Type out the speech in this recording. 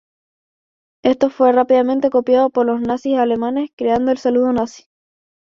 Esto fue rápidamente copiado por los Nazis alemanes, creando el saludo Nazi.